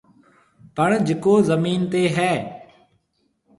پڻ جڪو زمين تي هيَ۔